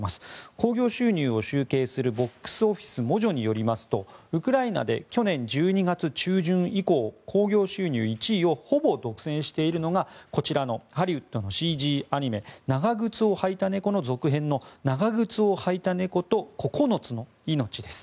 興行収入を集計するボックスオフィスモジョによりますとウクライナで去年１２月中旬以降興行収入１位をほぼ独占しているのがこちらのハリウッドのＣＧアニメ「長ぐつをはいたネコ」の続編の「長ぐつをはいたネコと９つの命」です。